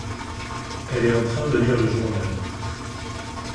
Elle est en train de lire le journal.